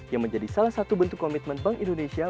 yang menjadi salah satu bentuk komitmen bank indonesia